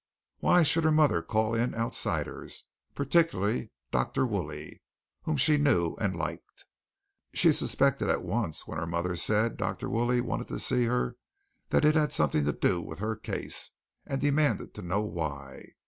Why should her mother call in outsiders, particularly Dr. Woolley, whom she knew and liked. She suspected at once when her mother said Dr. Woolley wanted to see her that it had something to do with her case, and demanded to know why.